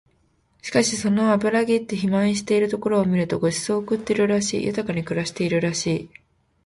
しかしその脂ぎって肥満しているところを見ると御馳走を食ってるらしい、豊かに暮らしているらしい